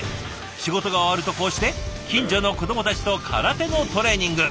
仕事が終わるとこうして近所の子どもたちと空手のトレーニング。